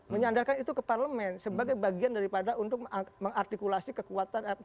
menyandarkan itu ke parlemen sebagai bagian daripada untuk mengartikulasi kekuatan